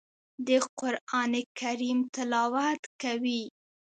د قران کریم تلاوت کوي.